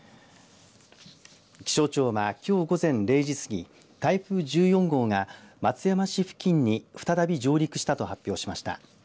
気象庁は、きょう午前０時すぎ台風１４号が松山市付近に再び上陸したと発表しました。